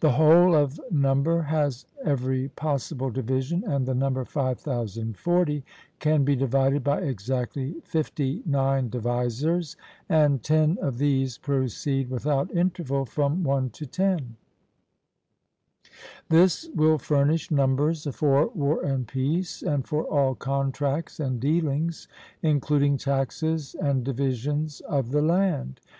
The whole of number has every possible division, and the number 5040 can be divided by exactly fifty nine divisors, and ten of these proceed without interval from one to ten: this will furnish numbers for war and peace, and for all contracts and dealings, including taxes and divisions of the land.